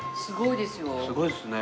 すごいですよ。